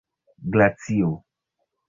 glacio